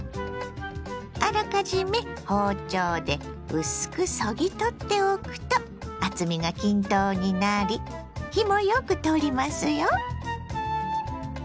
あらかじめ包丁で薄くそぎ取っておくと厚みが均等になり火もよく通りますよ。